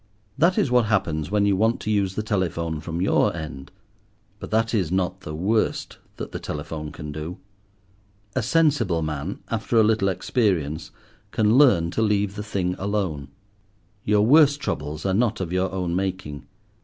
That is what happens when you want to use the telephone from your end. But that is not the worst that the telephone can do. A sensible man, after a little experience, can learn to leave the thing alone. Your worst troubles are not of your own making.